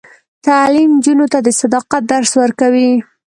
تعلیم نجونو ته د صداقت درس ورکوي.